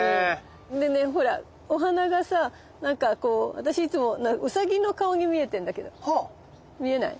でねほらお花がさなんかこう私いつもウサギの顔に見えてんだけど見えない？